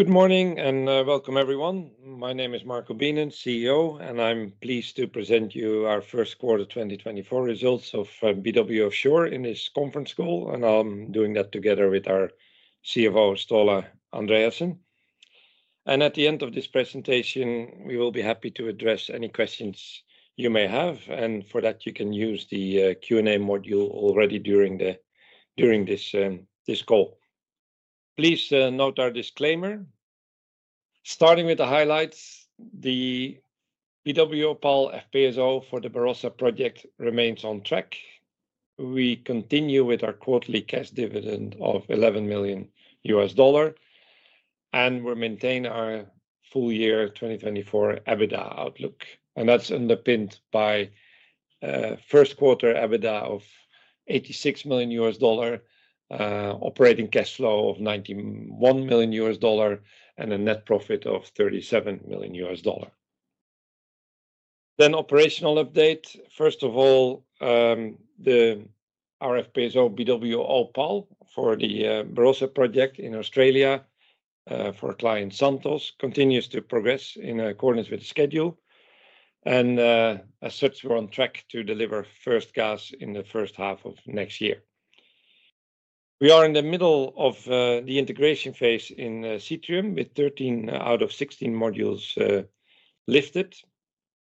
Good morning, and welcome everyone. My name is Marco Beenen, CEO, and I'm pleased to present you our first quarter 2024 results of BW Offshore in this conference call. I'm doing that together with our CFO, Ståle Andreassen. At the end of this presentation, we will be happy to address any questions you may have, and for that, you can use the Q&A module already during this call. Please note our disclaimer. Starting with the highlights, the BW Opal FPSO for the Barossa project remains on track. We continue with our quarterly cash dividend of $11 million, and we maintain our full year 2024 EBITDA outlook. And that's underpinned by first quarter EBITDA of $86 million, operating cash flow of $91 million, and a net profit of $37 million. Then operational update. First of all, the - our FPSO BW Opal for the Barossa project in Australia for client Santos continues to progress in accordance with the schedule. And as such, we're on track to deliver first gas in the first half of next year. We are in the middle of the integration phase in Seatrium, with 13 out of 16 modules lifted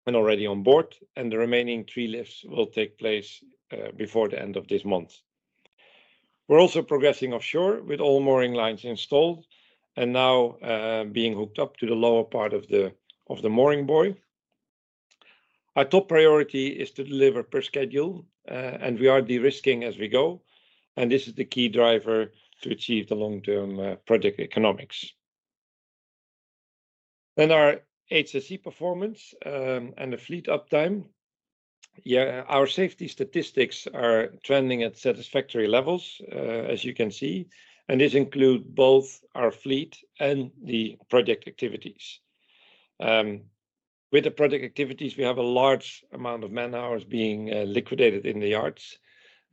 and already on board, and the remaining 3 lifts will take place before the end of this month. We're also progressing offshore, with all mooring lines installed and now being hooked up to the lower part of the mooring buoy. Our top priority is to deliver per schedule, and we are de-risking as we go, and this is the key driver to achieve the long-term project economics. Our HSE performance, and the fleet uptime. Yeah, our safety statistics are trending at satisfactory levels, as you can see, and this include both our fleet and the project activities. With the project activities, we have a large amount of man-hours being liquidated in the yards,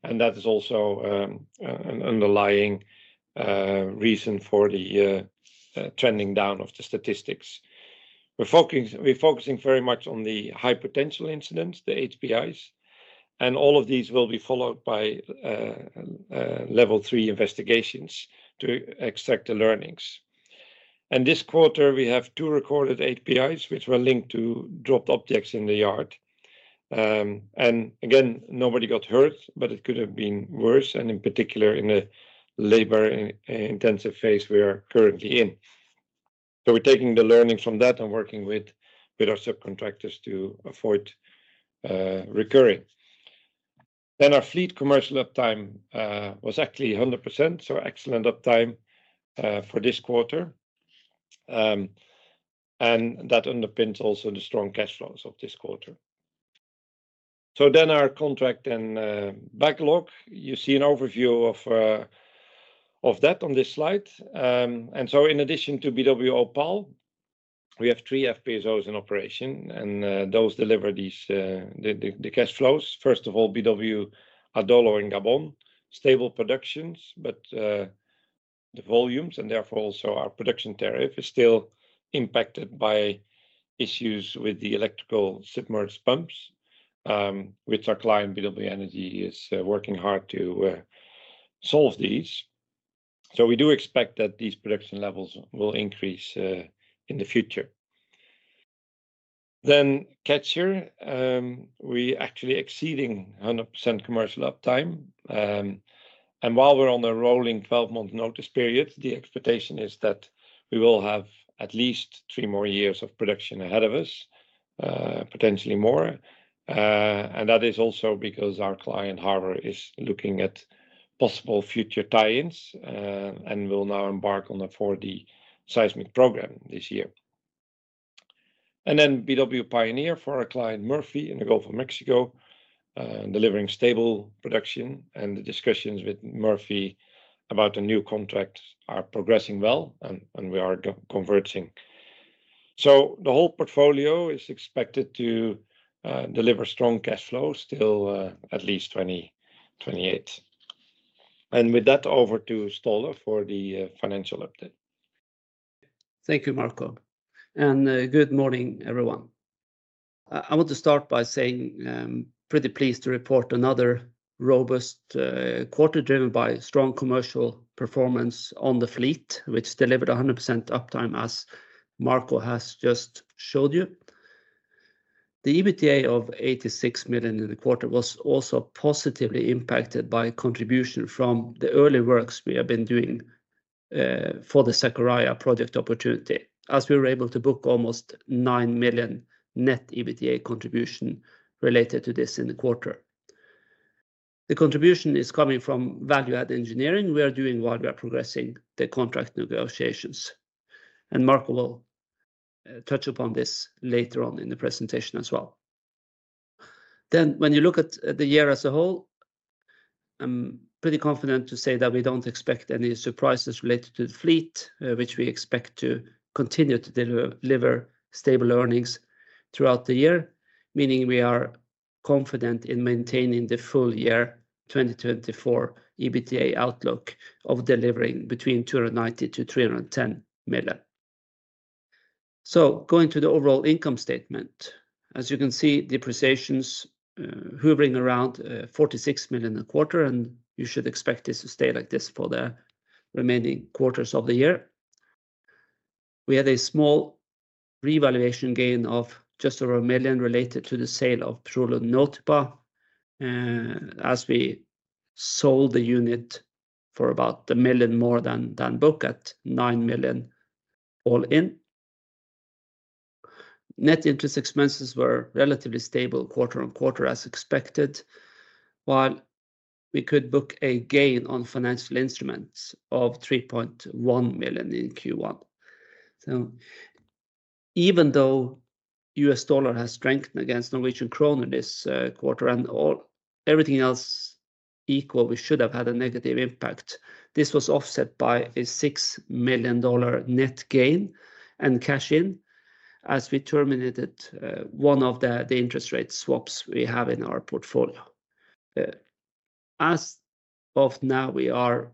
and that is also an underlying reason for the trending down of the statistics. We're focusing, we're focusing very much on the high potential incidents, the HPIs, and all of these will be followed by Level Three investigations to extract the learnings. This quarter, we have two recorded HPIs, which were linked to dropped objects in the yard. And again, nobody got hurt, but it could have been worse, and in particular, in the labor-intensive phase we are currently in. So we're taking the learnings from that and working with our subcontractors to avoid recurring. Then our fleet commercial uptime was actually 100%, so excellent uptime for this quarter. And that underpins also the strong cash flows of this quarter. So then our contract and backlog. You see an overview of that on this slide. And so in addition to BW Opal, we have three FPSOs in operation, and those deliver these the cash flows. First of all, BW Adolo in Gabon. Stable productions, but the volumes, and therefore also our production tariff, is still impacted by issues with the electrical submerged pumps, which our client, BW Energy, is working hard to solve these. So we do expect that these production levels will increase in the future. Then Catcher, we actually exceeding 100% commercial uptime. And while we're on a rolling 12-month notice period, the expectation is that we will have at least 3 more years of production ahead of us, potentially more. And that is also because our client, Harbour, is looking at possible future tie-ins, and will now embark on a 4D seismic program this year. And then BW Pioneer for our client, Murphy, in the Gulf of Mexico, delivering stable production. The discussions with Murphy about the new contract are progressing well, and we are converging. So the whole portfolio is expected to deliver strong cash flow still, at least 2028. And with that, over to Ståle for the financial update. Thank you, Marco, and, good morning, everyone. I want to start by saying, I'm pretty pleased to report another robust quarter, driven by strong commercial performance on the fleet, which delivered 100% uptime, as Marco has just showed you. The EBITDA of $86 million in the quarter was also positively impacted by contribution from the early works we have been doing for the Sakarya project opportunity, as we were able to book almost $9 million net EBITDA contribution related to this in the quarter. The contribution is coming from value-add engineering we are doing while we are progressing the contract negotiations, and Marco will touch upon this later on in the presentation as well. Then, when you look at the year as a whole, I'm pretty confident to say that we don't expect any surprises related to the fleet, which we expect to continue to deliver stable earnings throughout the year, meaning we are confident in maintaining the full year 2024 EBITDA outlook of delivering between $290 million to $310 million. So going to the overall income statement, as you can see, depreciation hovering around $46 million a quarter, and you should expect this to stay like this for the remaining quarters of the year. We had a small revaluation gain of just over $1 million related to the sale of Petróleo Nautipa, as we sold the unit for about $1 million more than book at $9 million all in. Net interest expenses were relatively stable quarter-on-quarter, as expected. While we could book a gain on financial instruments of $3.1 million in Q1. So even though U.S. dollar has strengthened against Norwegian kroner this quarter and all, everything else equal, we should have had a negative impact. This was offset by a $6 million net gain and cash in as we terminated one of the interest rate swaps we have in our portfolio. As of now, we are,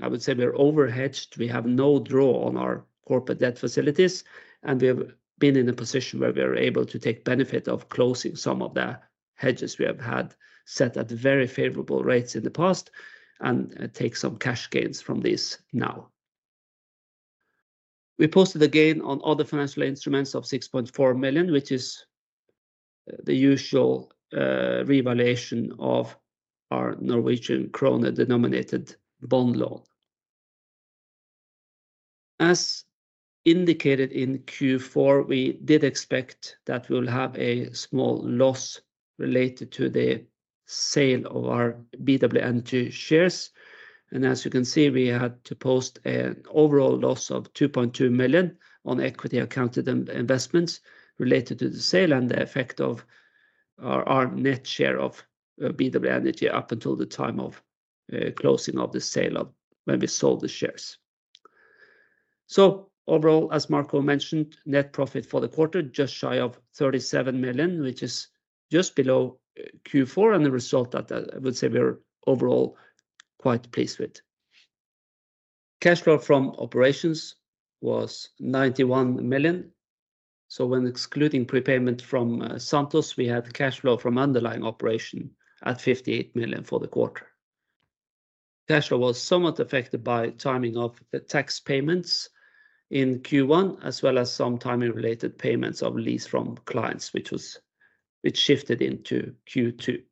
I would say we are over hedged. We have no draw on our corporate debt facilities, and we have been in a position where we are able to take benefit of closing some of the hedges we have had set at very favorable rates in the past and take some cash gains from this now. We posted a gain on other financial instruments of $6.4 million, which is the usual, revaluation of our Norwegian kroner-denominated bond loan. As indicated in Q4, we did expect that we'll have a small loss related to the sale of our BW Energy shares. And as you can see, we had to post an overall loss of $2.2 million on equity accounted in investments related to the sale and the effect of our, our net share of BW Energy up until the time of, closing of the sale of when we sold the shares. So overall, as Marco mentioned, net profit for the quarter, just shy of $37 million, which is just below Q4, and the result that I, I would say we are overall quite pleased with. Cash flow from operations was $91 million. So when excluding prepayment from Santos, we had cash flow from underlying operation at $58 million for the quarter. Cash flow was somewhat affected by timing of the tax payments in Q1, as well as some timing-related payments of lease from clients, which shifted into Q2.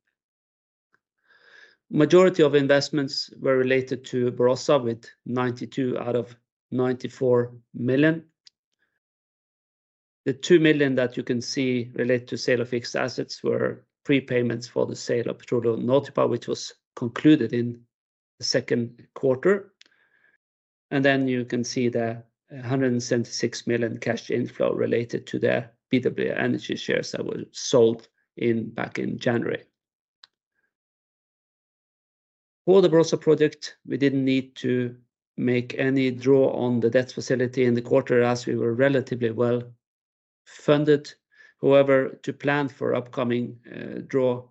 Majority of investments were related to Barossa, with $92 million out of $94 million. The $2 million that you can see relate to sale of fixed assets were prepayments for the sale of Petróleo Nautipa, which was concluded in the second quarter. And then you can see the $176 million cash inflow related to the BW Energy shares that were sold back in January. For the Barossa project, we didn't need to make any draw on the debt facility in the quarter, as we were relatively well-funded. However, to plan for upcoming draw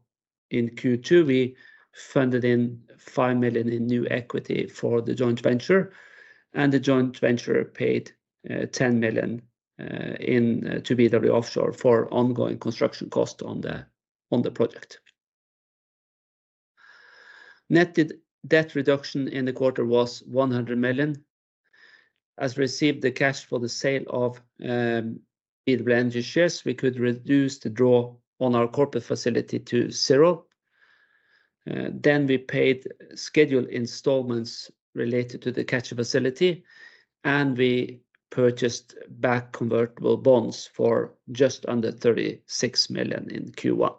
in Q2, we funded in $5 million in new equity for the joint venture, and the joint venture paid $10 million into BW Offshore for ongoing construction cost on the project. Net debt reduction in the quarter was $100 million. As we received the cash for the sale of BW Energy shares, we could reduce the draw on our corporate facility to zero. Then we paid scheduled installments related to the Catcher facility, and we purchased back convertible bonds for just under $36 million in Q1.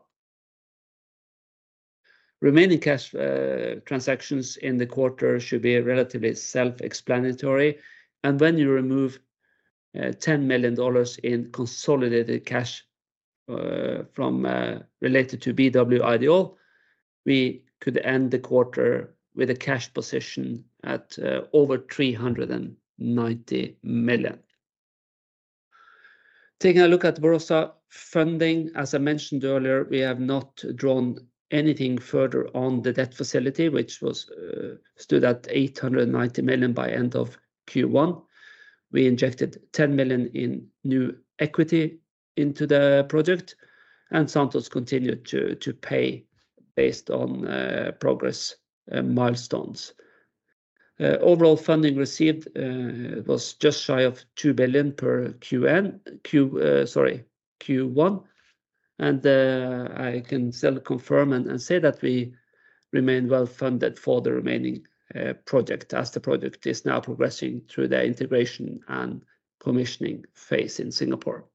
Remaining cash transactions in the quarter should be relatively self-explanatory. And when you remove $10 million in consolidated cash from related to BW Ideol, we could end the quarter with a cash position at over $390 million. Taking a look at Barossa funding, as I mentioned earlier, we have not drawn anything further on the debt facility, which was stood at $890 million by end of Q1. We injected $10 million in new equity into the project, and Santos continued to pay based on progress milestones. Overall funding received was just shy of $2 billion by end of Q1. And I can still confirm and say that we remain well-funded for the remaining project, as the project is now progressing through the integration and commissioning phase in Singapore.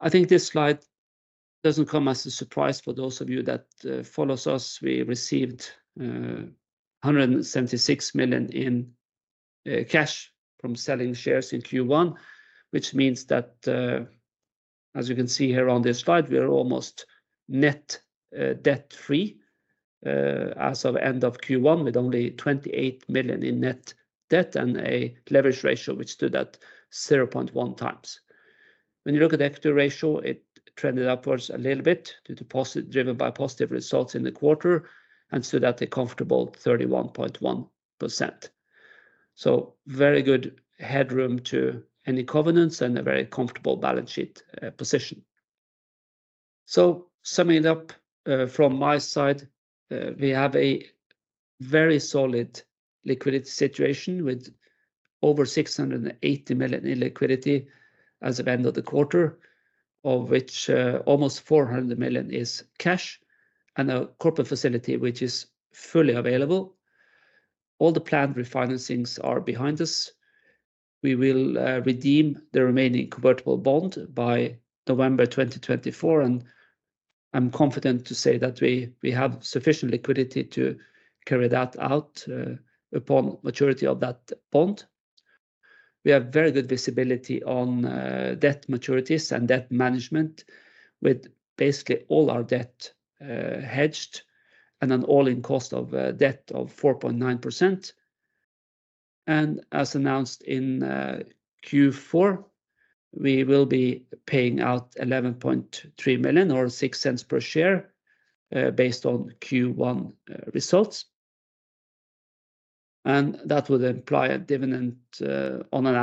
I think this slide doesn't come as a surprise for those of you that follows us. We received $176 million in cash from selling shares in Q1, which means that, as you can see here on this slide, we are almost net debt-free as of end of Q1, with only $28 million in net debt and a leverage ratio which stood at 0.1 times. When you look at the equity ratio, it trended upwards a little bit to 31.1%, driven by positive results in the quarter, and stood at a comfortable 31.1%. So very good headroom to any covenants and a very comfortable balance sheet position. So summing it up, from my side, we have a very solid liquidity situation, with over $680 million in liquidity as of end of the quarter, of which, almost $400 million is cash and a corporate facility which is fully available. All the planned refinancings are behind us. We will redeem the remaining convertible bond by November 2024, and I'm confident to say that we have sufficient liquidity to carry that out upon maturity of that bond. We have very good visibility on debt maturities and debt management, with basically all our debt hedged and an all-in cost of debt of 4.9%. And as announced in Q4, we will be paying out $11.3 million or $0.06 per share, based on Q1 results. And that would imply a dividend on an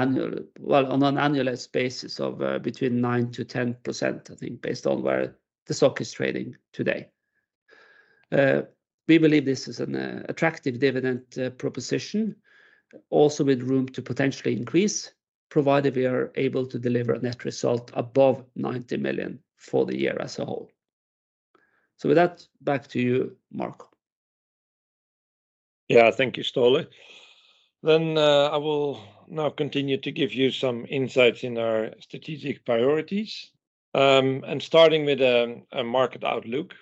annualized basis of between 9%-10%, I think, based on where the stock is trading today. We believe this is an attractive dividend proposition, also with room to potentially increase, provided we are able to deliver a net result above $90 million for the year as a whole. So with that, back to you, Marco. Yeah, thank you, Ståle. Then, I will now continue to give you some insights in our strategic priorities. I'm starting with a market outlook.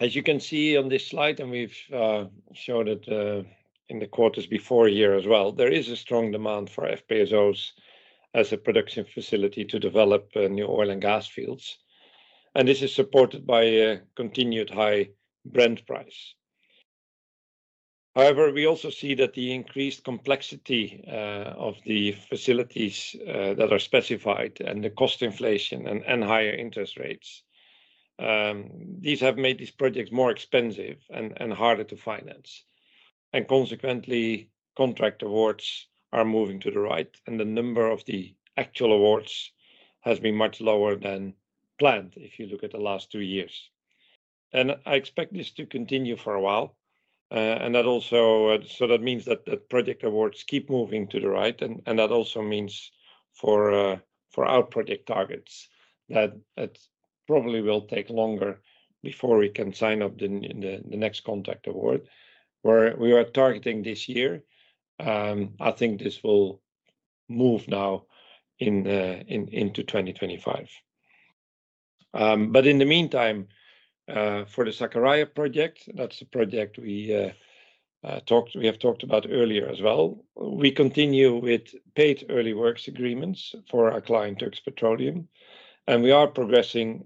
As you can see on this slide, and we've shown it in the quarters before here as well, there is a strong demand for FPSOs as a production facility to develop new oil and gas fields, and this is supported by a continued high Brent price. However, we also see that the increased complexity of the facilities that are specified and the cost inflation and higher interest rates, these have made these projects more expensive and harder to finance. Consequently, contract awards are moving to the right, and the number of the actual awards has been much lower than planned, if you look at the last two years. I expect this to continue for a while. So that means that the project awards keep moving to the right, and that also means for our project targets, that it probably will take longer before we can sign up the next contract award. Where we are targeting this year, I think this will move now into 2025. But in the meantime, for the Sakarya project, that's a project we have talked about earlier as well. We continue with paid early works agreements for our client, Turkish Petroleum, and we are progressing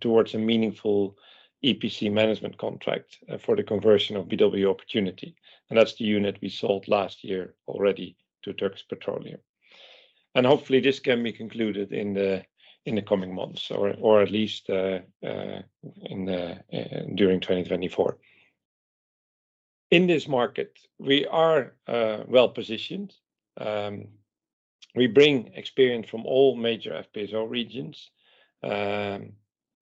towards a meaningful EPC management contract for the conversion of BW Opportunity, and that's the unit we sold last year already to Turkish Petroleum. Hopefully, this can be concluded in the coming months, or at least during 2024. In this market, we are well-positioned. We bring experience from all major FPSO regions.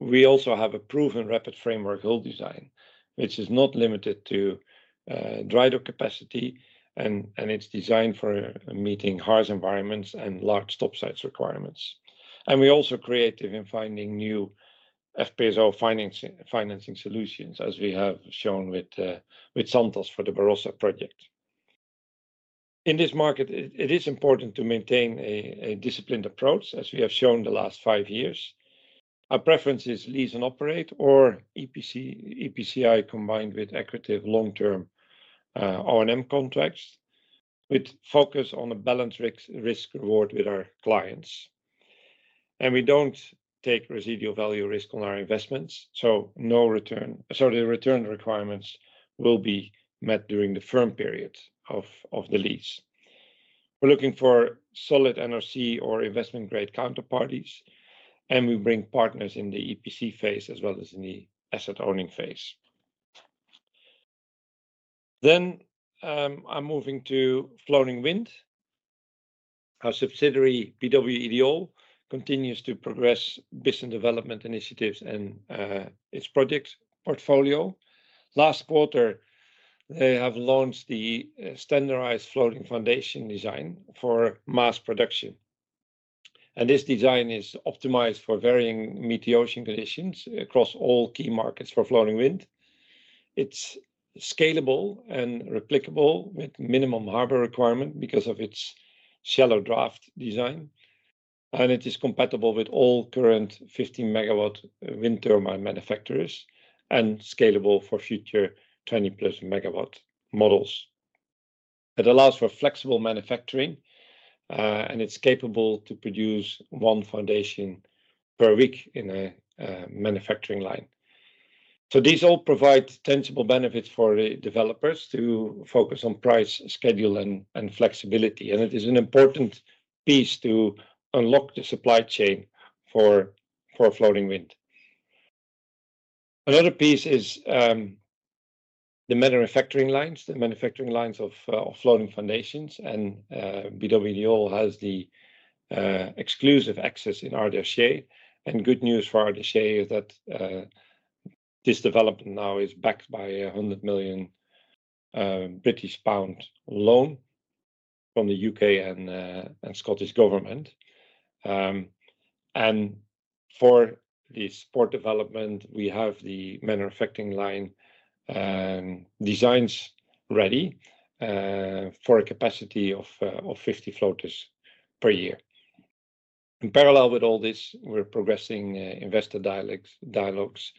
We also have a proven rapid framework hull design, which is not limited to drydock capacity, and it's designed for meeting harsh environments and large topsides requirements. We're also creative in finding new FPSO financing solutions, as we have shown with Santos for the Barossa project. In this market, it is important to maintain a disciplined approach, as we have shown the last five years. Our preference is lease and operate or EPC, EPCI, combined with lucrative long-term O&M contracts, with focus on a balanced risk reward with our clients. We don't take residual value risk on our investments, so no return, sorry, the return requirements will be met during the firm period of the lease. We're looking for solid NOC or investment-grade counterparties, and we bring partners in the EPC phase as well as in the asset-owning phase. Then, I'm moving to Floating Wind. Our subsidiary, BW Ideol, continues to progress business development initiatives and its project portfolio. Last quarter, they have launched the standardized floating foundation design for mass production, and this design is optimized for varying metocean conditions across all key markets for Floating Wind. It's scalable and replicable with minimum harbor requirement because of its shallow draft design, and it is compatible with all current 15-megawatt wind turbine manufacturers and scalable for future 20+ megawatt models. It allows for flexible manufacturing, and it's capable to produce one foundation per week in a manufacturing line. So these all provide tangible benefits for the developers to focus on price, schedule, and, and flexibility, and it is an important piece to unlock the supply chain for, for floating wind. Another piece is the manufacturing lines, the manufacturing lines of of floating foundations, and BW Ideol has the exclusive access in Ardersier. And good news for Ardersier is that this development now is backed by a 100 million British pound loan from the U.K. and Scottish government. And for the port development, we have the manufacturing line designs ready for a capacity of 50 floaters per year. In parallel with all this, we're progressing investor dialogs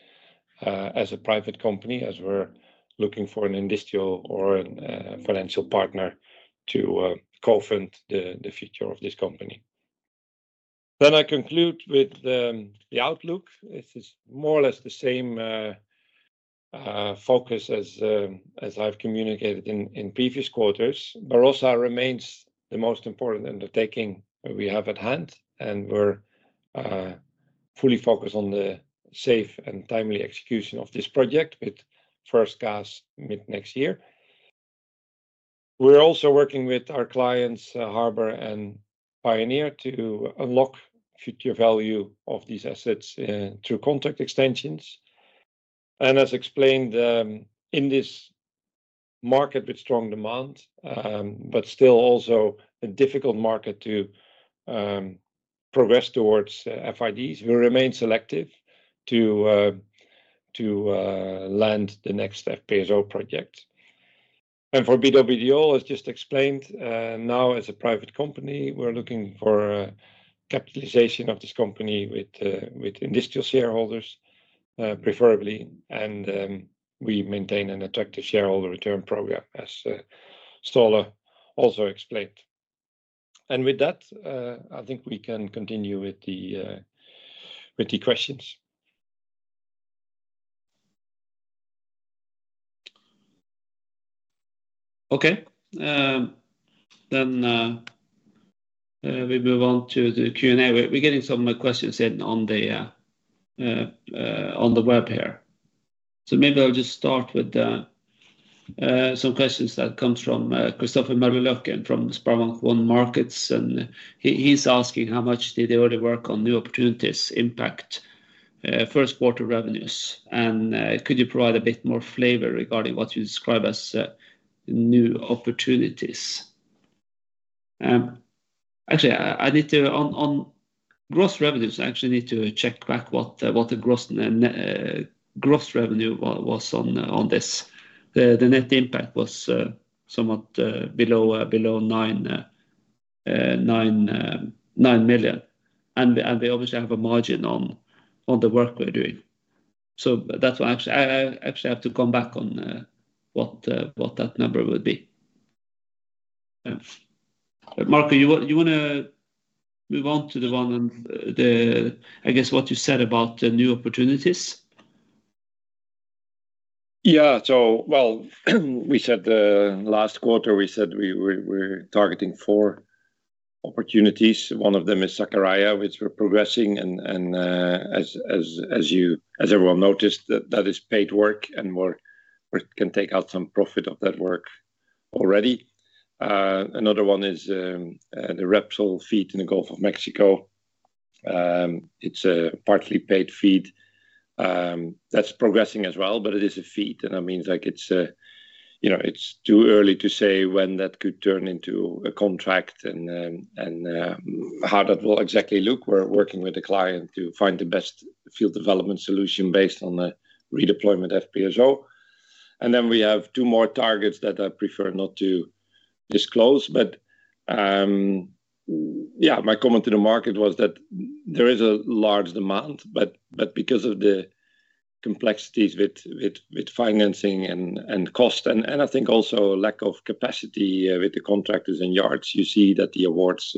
as a private company, as we're looking for an industrial or a financial partner to co-fund the future of this company. Then I conclude with the outlook. This is more or less the same focus as I've communicated in previous quarters. Barossa remains the most important undertaking that we have at hand, and we're fully focused on the safe and timely execution of this project, with First Gas mid-next year. We're also working with our clients, Harbour and Pioneer, to unlock future value of these assets through contract extensions. And as explained, in this market with strong demand, but still also a difficult market to progress towards FIDs, we remain selective to land the next FPSO project. For BW Ideol, as just explained, now as a private company, we're looking for a capitalization of this company with industrial shareholders, preferably, and we maintain an attractive shareholder return program, as Ståle also explained. With that, I think we can continue with the questions. Okay. Then, we move on to the Q&A. We're getting some questions in on the web here. So maybe I'll just start with some questions that comes from Christopher Møllerløkken from SpareBank 1 Markets, and he's asking: "How much did the early work on new opportunities impact first quarter revenues? And could you provide a bit more flavor regarding what you describe as new opportunities?" Actually, I need to - on gross revenues, I actually need to check back what the gross revenue was on this. The net impact was somewhat below $9 million. And we obviously have a margin on the work we're doing. So that's why I actually have to come back on what that number would be. Marco, you wanna move on to the one, I guess, what you said about the new opportunities? Yeah. So, well, we said last quarter, we said we're targeting four opportunities. One of them is Sakarya, which we're progressing, and as everyone noticed, that is paid work, and we can take out some profit of that work already. Another one is the Repsol FEED in the Gulf of Mexico. It's a partly paid FEED. That's progressing as well, but it is a FEED, and that means, like, you know, it's too early to say when that could turn into a contract, and how that will exactly look. We're working with the client to find the best field development solution based on the redeployment FPSO. And then we have two more targets that I prefer not to disclose. But, yeah, my comment to the market was that there is a large demand, but because of the complexities with financing and cost, and I think also lack of capacity with the contractors and yards, you see that the awards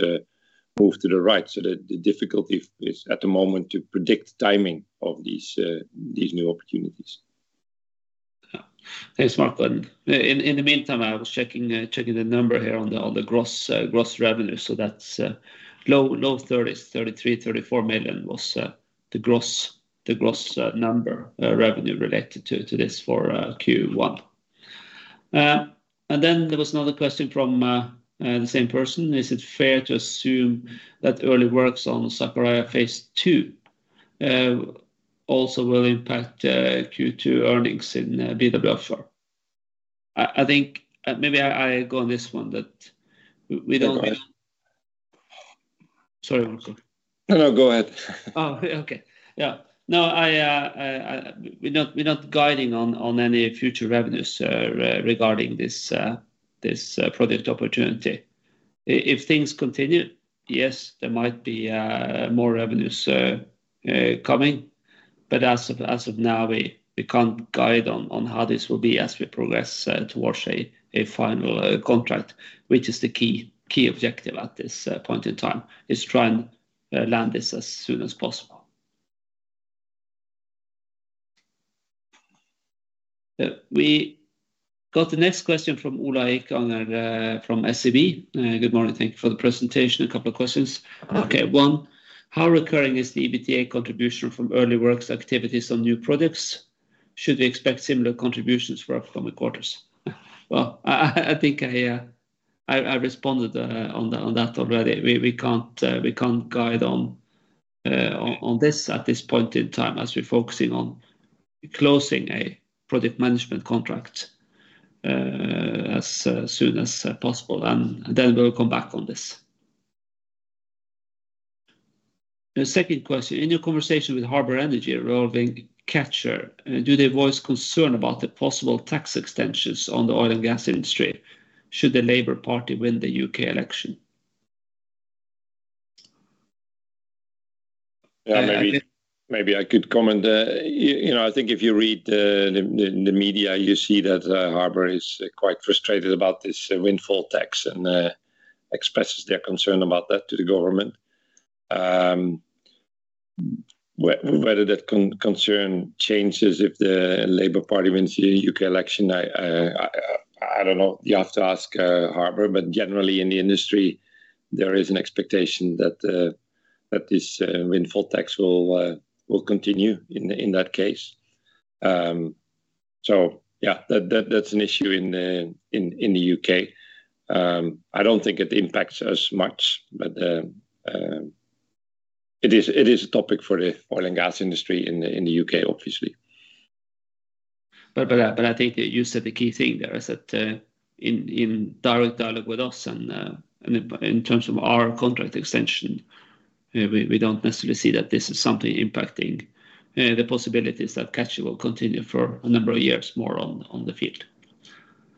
move to the right. So the difficulty is, at the moment, to predict timing of these new opportunities. Yeah. Thanks, Marco. And in the meantime, I was checking the number here on the gross revenue. So that's low 30s. $33 million-$34 million was the gross revenue number related to this for Q1. And then there was another question from the same person: "Is it fair to assume that early works on Sakarya phase II also will impact Q2 earnings in BWFR?" I think maybe I go on this one, that we don't- No, go ahead. Sorry, Marco. No, no, go ahead. Oh, okay. Yeah. No, we're not, we're not guiding on, on any future revenues, regarding this, this, project opportunity. If things continue, yes, there might be, more revenues, coming, but as of, as of now, we, we can't guide on, on how this will be as we progress, towards a, a final, contract, which is the key, key objective at this, point in time, is try and, land this as soon as possible. We got the next question from Ola Eikanger, from SEB. "Good morning, thank you for the presentation. A couple of questions. Okay, one, how recurring is the EBITDA contribution from early works activities on new products? Should we expect similar contributions for upcoming quarters?" Well, I think I responded on that already. We can't guide on this at this point in time as we're focusing on closing a project management contract as soon as possible, and then we'll come back on this. The second question: "In your conversation with Harbour Energy regarding Catcher, do they voice concern about the possible tax extensions on the oil and gas industry should the Labour Party win the U.K. election? Yeah, maybe - maybe I could comment. You know, I think if you read the media, you see that Harbour is quite frustrated about this windfall tax, and expresses their concern about that to the government. Whether that concern changes if the Labour Party wins the U.K. election, I don't know. You have to ask Harbour, but generally in the industry, there is an expectation that this windfall tax will continue in that case. So yeah, that's an issue in the U.K. I don't think it impacts us much, but it is a topic for the oil and gas industry in the U.K., obviously. But I think you said the key thing there is that in direct dialogue with us and in terms of our contract extension, we don't necessarily see that this is something impacting the possibilities that Catcher will continue for a number of years more on the field.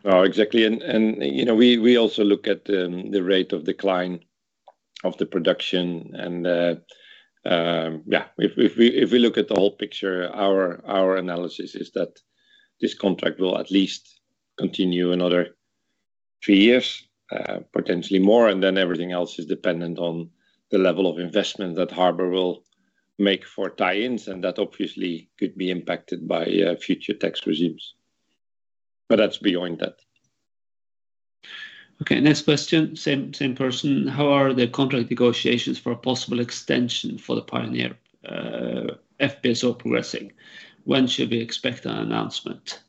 Oh, exactly, and you know, we also look at the rate of decline of the production, and if we look at the whole picture, our analysis is that this contract will at least continue another three years, potentially more, and then everything else is dependent on the level of investment that Harbour will make for tie-ins, and that obviously could be impacted by future tax regimes. But that's beyond that. Okay, next question, same, same person: "How are the contract negotiations for a possible extension for the Pioneer FPSO progressing? When should we expect an announcement?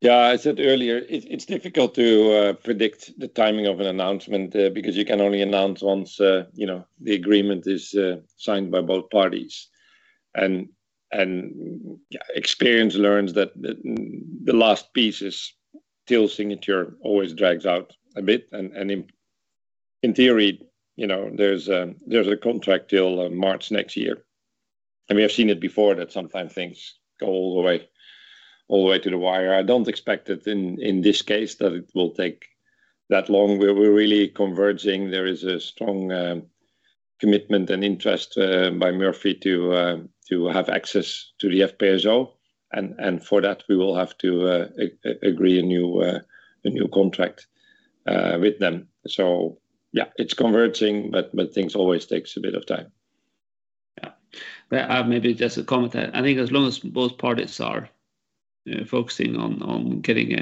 Yeah, I said earlier, it's difficult to predict the timing of an announcement, because you can only announce once, you know, the agreement is signed by both parties. Experience learns that the last piece until signature always drags out a bit, and in theory, you know, there's a contract until March next year. We have seen it before that sometimes things go all the way to the wire. I don't expect it in this case that it will take that long. We're really converging. There is a strong commitment and interest by Murphy to have access to the FPSO and for that, we will have to agree a new contract with them. So yeah, it's converging, but things always takes a bit of time. Yeah. Well, maybe just to comment that I think as long as both parties are focusing on getting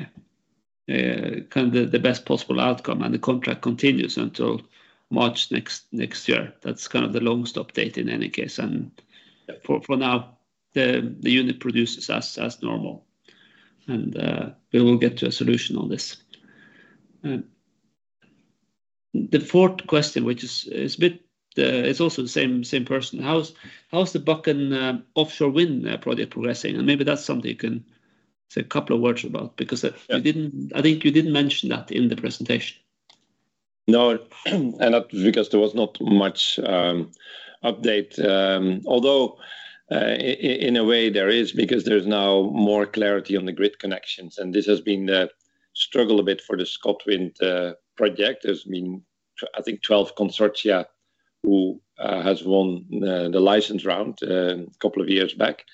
a kind of the best possible outcome, and the contract continues until March next year, that's kind of the longest update in any case, and for now, the unit produces as normal. And, we will get to a solution on this. The fourth question, which is a bit - it's also the same person: "How is the Buchan Offshore Wind project progressing?" And maybe that's something you can say a couple of words about because- Yeah You didn't, I think you didn't mention that in the presentation. No, and that's because there was not much update. Although, in a way, there is, because there's now more clarity on the grid connections, and this has been the struggle a bit for the ScotWind project. There's been I think 12 consortia who has won the license round a couple of years back,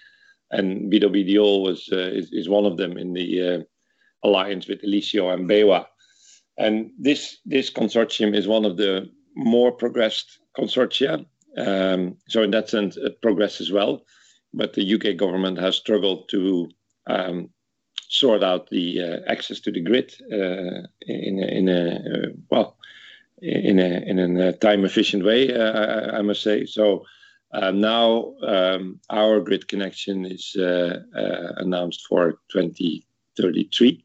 and BW Ideol is one of them in the alliance with Elicio and BayWa r.e. And this, this consortium is one of the more progressed consortia. So in that sense, it progress as well, but the U.K. government has struggled to sort out the access to the grid, well, in an time-efficient way, I must say. So, now, our grid connection is announced for 2033,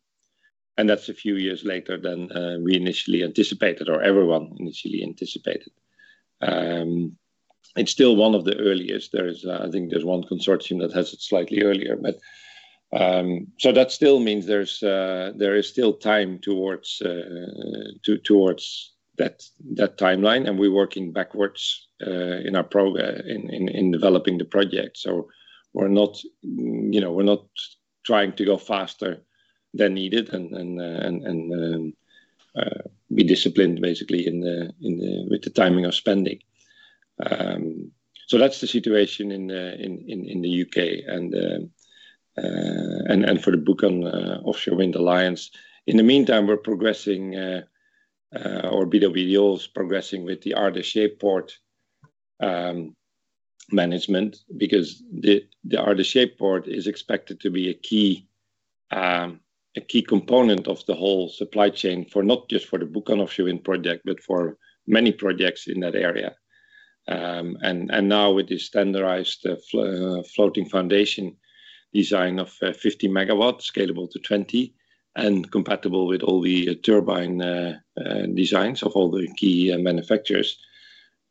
and that's a few years later than we initially anticipated, or everyone initially anticipated. It's still one of the earliest. There is, I think there's one consortium that has it slightly earlier, but, so that still means there's still time towards that timeline, and we're working backwards in developing the project. So we're not, you know, we're not trying to go faster than needed and be disciplined basically in the with the timing of spending. So that's the situation in the U.K., and for the Buchan Offshore Wind alliance. In the meantime, we're progressing, or BW Ideol is progressing with the Ardersier Port management, because the Ardersier Port is expected to be a key component of the whole supply chain for not just for the Buchan Offshore Wind project, but for many projects in that area. And now with the standardized floating foundation design of 50 megawatts, scalable to 20, and compatible with all the turbine designs of all the key manufacturers.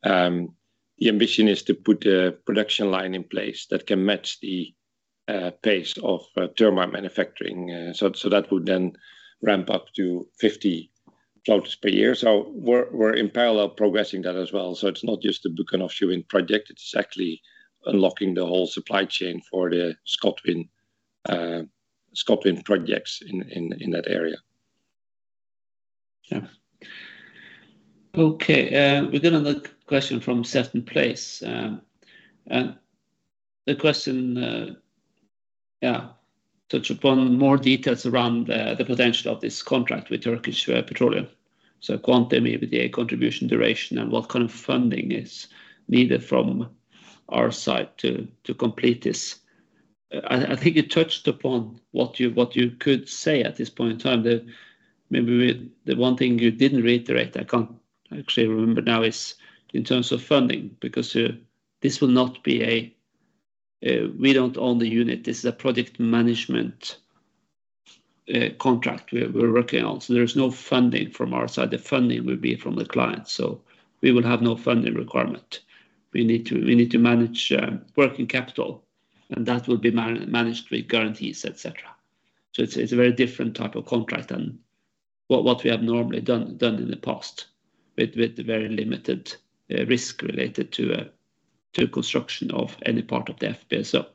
The ambition is to put a production line in place that can match the pace of turbine manufacturing. So that would then ramp up to 50 floats per year. So we're in parallel progressing that as well. So it's not just the Buchan Offshore Wind project, it's actually unlocking the whole supply chain for the ScotWind, ScotWind projects in that area. Yeah. Okay, we've got another question from certain place. And the question, touch upon more details around the potential of this contract with Turkish Petroleum. So quantum, maybe the contribution duration, and what kind of funding is needed from our side to complete this. I think you touched upon what you could say at this point in time, that maybe the one thing you didn't reiterate, I can't actually remember now, is in terms of funding, because this will not be a - we don't own the unit. This is a project management contract we're working on, so there is no funding from our side. The funding will be from the client, so we will have no funding requirement. We need to manage working capital, and that will be managed with guarantees, et cetera. So it's a very different type of contract than what we have normally done in the past, with the very limited risk related to construction of any part of the FPSO.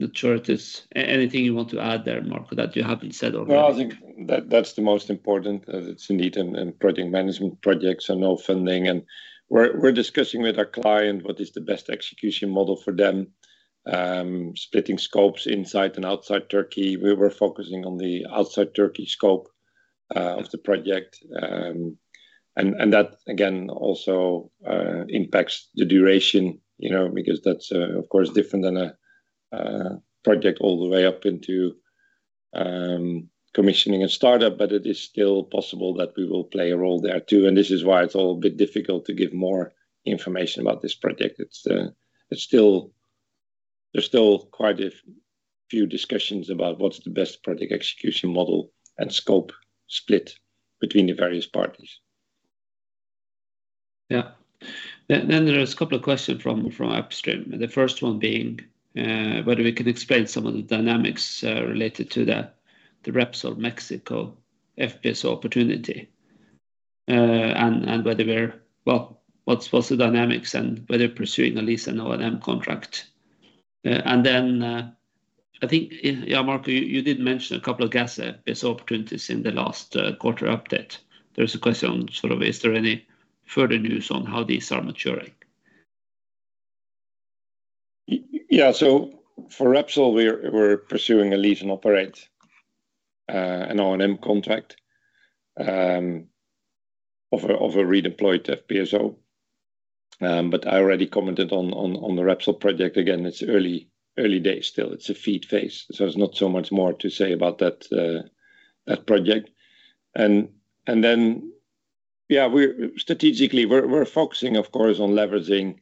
Not sure if it's anything you want to add there, Marco, that you haven't said already? Well, I think that, that's the most important, it's indeed in project management projects and no funding, and we're discussing with our client what is the best execution model for them, splitting scopes inside and outside Turkey. We were focusing on the outside Turkey scope of the project. And that, again, also impacts the duration, you know, because that's of course different than a project all the way up into commissioning and startup, but it is still possible that we will play a role there, too. And this is why it's all a bit difficult to give more information about this project. It's still - there's still quite a few discussions about what's the best project execution model and scope split between the various parties. Yeah. Then there is a couple of questions from Upstream. The first one being whether we can explain some of the dynamics related to the Repsol Mexico FPSO opportunity, and whether we're - well, what's the dynamics and whether pursuing a lease and O&M contract? And then, I think, yeah, Marco, you did mention a couple of gas FPSO opportunities in the last quarter update. There's a question, sort of, is there any further news on how these are maturing? Yeah, so for Repsol, we're pursuing a lease and operate an O&M contract of a redeployed FPSO. But I already commented on the Repsol project. Again, it's early days still. It's a FEED phase, so there's not so much more to say about that project. And then, yeah, we're strategically, we're focusing, of course, on leveraging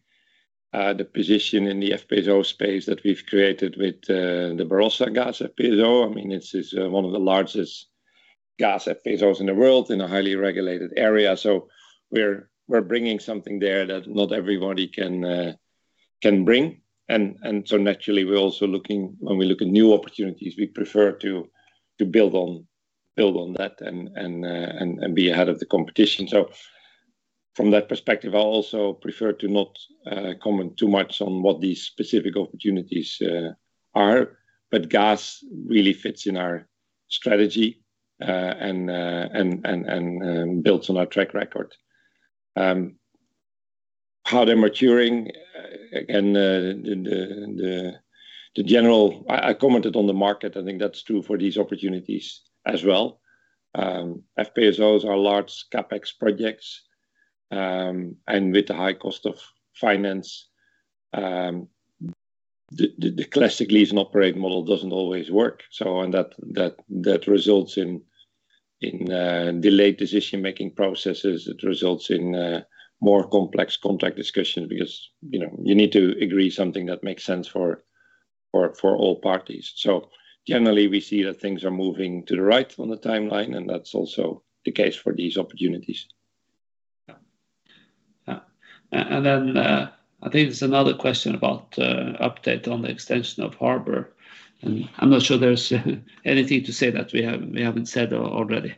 the position in the FPSO space that we've created with the Barossa Gas FPSO. I mean, this is one of the largest gas FPSOs in the world in a highly regulated area. So we're bringing something there that not everybody can bring. And so naturally, we're also looking, when we look at new opportunities, we prefer to build on that and be ahead of the competition. So from that perspective, I also prefer to not comment too much on what these specific opportunities are, but gas really fits in our strategy, and builds on our track record. How they're maturing, again, I commented on the market, I think that's true for these opportunities as well. FPSOs are large CapEx projects, and with the high cost of finance, the classic lease and operate model doesn't always work. So that results in delayed decision-making processes. It results in more complex contract discussions because, you know, you need to agree something that makes sense for all parties. So generally, we see that things are moving to the right on the timeline, and that's also the case for these opportunities. Yeah. Yeah. And then, I think there's another question about update on the extension of Harbour. And I'm not sure there's anything to say that we haven't said already.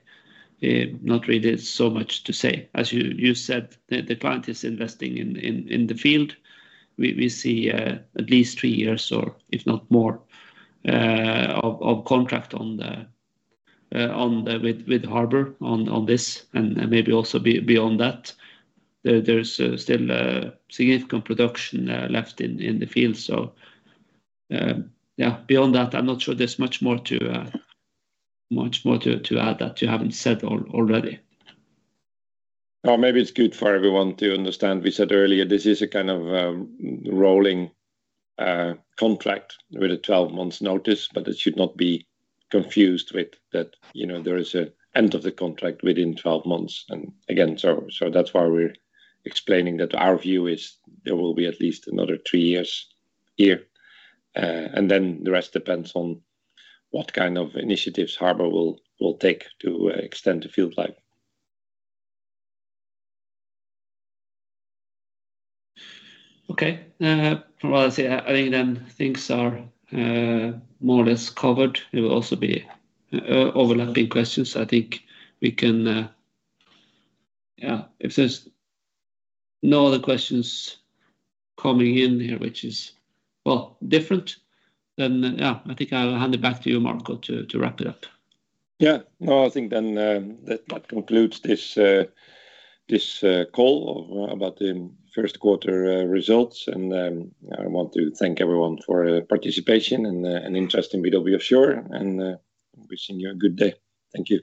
Not really so much to say. As you said, the client is investing in the field. We see at least three years or if not more of contract on the with Harbour on this, and maybe also beyond that. There is still significant production left in the field. So, yeah, beyond that, I'm not sure there's much more to add that you haven't said already. Oh, maybe it's good for everyone to understand. We said earlier, this is a kind of rolling contract with a 12 months notice, but it should not be confused with that, you know, there is an end of the contract within 12 months. And again, so that's why we're explaining that our view is there will be at least another 3 years here, and then the rest depends on what kind of initiatives Harbour will take to extend the field life. Okay, well, I say, I think then things are more or less covered. There will also be overlapping questions. I think we can - yeah, if there's no other questions coming in here, which is, well, different, then, yeah, I think I'll hand it back to you, Marco, to, to wrap it up. Yeah. No, I think then that concludes this call about the first quarter results. And I want to thank everyone for participation and interest in BW Offshore, and wishing you a good day. Thank you.